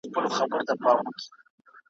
هر ځای شړکنده باران راپسي ګرځي ,